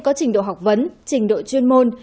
có trình độ học vấn trình độ chuyên môn